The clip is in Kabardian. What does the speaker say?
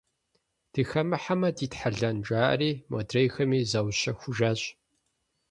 Дыхэмыхьэмэ дитхьэлэн жаӀэри, модрейхэми заущэхужащ.